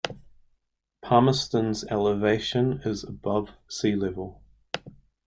Palmerton's elevation is above sea level.